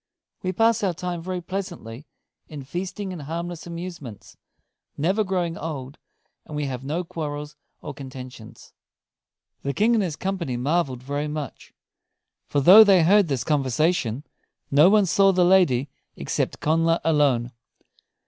We pass our time very pleasantly in feasting and harmless amusements, never growing old; and we have no quarrels or contentions." The King and his company marveled very much; for though they heard this conversation, no one saw the lady except Connla alone.